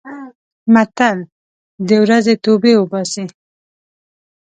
متل: د ورځې توبې اوباسي.